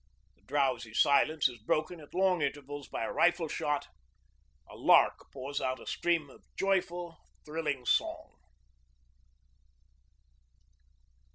The drowsy silence is broken at long intervals by a rifle shot; a lark pours out a stream of joyful thrilling song.